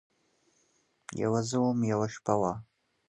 یوه زه وم، یوه شپه وه